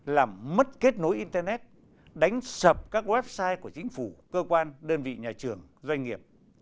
làm mất kết nối internet đánh sập các website của chính phủ cơ quan đơn vị nhà trường doanh nghiệp